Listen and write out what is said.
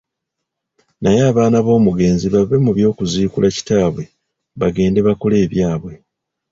Naye abaana ab'omugenzi bave mu by'okuziikula kitaabwe bagende bakole ebyabwe.